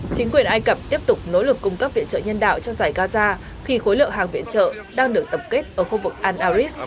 chính quyền ai cập tiếp tục nỗ lực cung cấp viện trợ nhân đạo cho giải gaza khi khối lượng hàng viện trợ đang được tập kết ở khu vực al aris